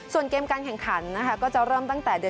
ส่วนสี่นะครับ